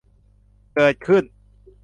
เกิดขึ้น